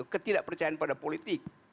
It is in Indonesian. ketidakpercayaan pada politik